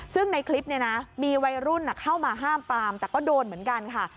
ซึ่งในคลิปเนี่ยนะมีวัยรุ่นเข้ามาห้ามปามแต่ก็โดนเหมือนกันค่ะ